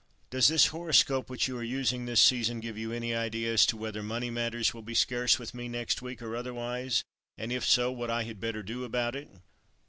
"Does this horoscope which you are using this season give you any idea as to whether money matters will be scarce with me next week or otherwise, and if so what I had better do about it?"